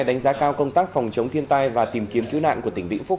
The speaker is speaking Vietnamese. đánh giá cao công tác phòng chống thiên tai và tìm kiếm cứu nạn của tỉnh vĩnh phúc